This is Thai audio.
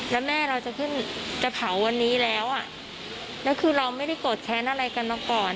แล้วแม่เราจะขึ้นจะเผาวันนี้แล้วอ่ะแล้วคือเราไม่ได้โกรธแค้นอะไรกันมาก่อน